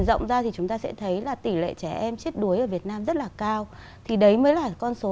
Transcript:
rộng ra thì chúng ta sẽ thấy là tỷ lệ trẻ em chết đuối ở việt nam rất là cao thì đấy mới là con số